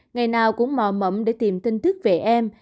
ngày nào cũng mò mẫm để tìm tin thức về em